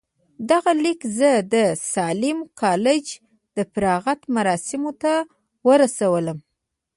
دغه ليک زه د ساليم کالج د فراغت مراسمو ته ورسولم.